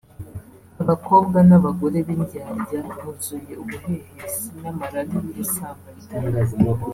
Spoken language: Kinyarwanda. abakobwa n’abagore b’indyarya buzuye ubuhehesi n’amarari y’ubusambanyi